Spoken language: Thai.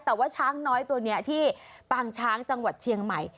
แต่ว่าช้างน้อยตัวนี้ที่ปางช้างจังหวัดเชียงใหม่